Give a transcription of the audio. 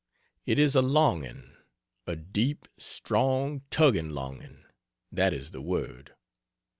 It is a longing a deep, strong, tugging longing that is the word.